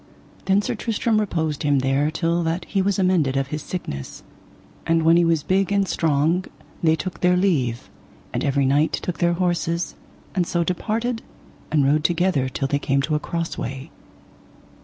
Then Sir Tristram reposed him there till that he was amended of his sickness; and when he was big and strong they took their leave, and every knight took their horses, and so departed and rode together till they came to a cross way.